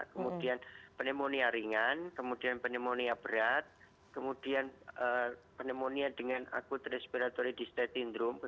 kemudian pneumonia ringan kemudian pneumonia berat kemudian pneumonia dengan akut respiratory distate syndrome